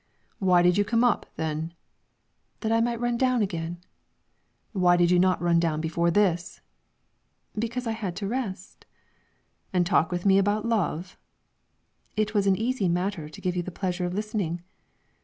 "Why did you come up, then?" "That I might run down again." "Why did you not run down before this?" "Because I had to rest." "And talk with me about love?" "It was an easy matter to give you the pleasure of listening."